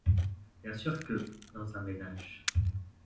Bien sûr que, dans un ménage